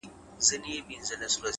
سترگي دي پټي كړه ويدېږمه زه ـ